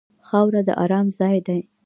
خاوره د ارام ځای دی.